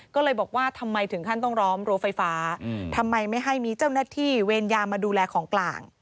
ก็เลยบอกว่าทำไมถึงขั้นต้องล้อมรั้วไฟฟ้าทำไมไม่ให้มีเจ้าหน้าที่เวรยามาดูแลของกลาง